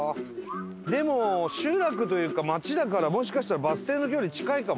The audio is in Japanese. でも集落というか町だからもしかしたらバス停の距離近いかも。